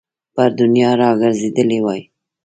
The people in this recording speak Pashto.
پر دنیا را ګرځېدلی وای.